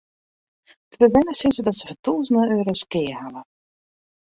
De bewenners sizze dat se foar tûzenen euro's skea hawwe.